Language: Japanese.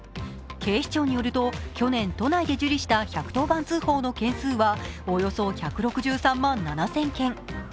警視庁によると、去年都内で受理した１１０番通報の件数はおよそ１６３万７０００件。